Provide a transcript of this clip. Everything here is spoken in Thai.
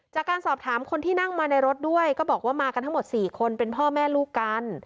จากการสอบถามคนที่นั่งมาในรถด้วยก็บอกว่ามากันทั้งหมด๔คนเป็นพ่อแม่ลูกกัน